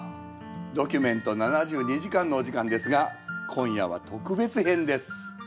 「ドキュメント７２時間」のお時間ですが今夜は特別編です。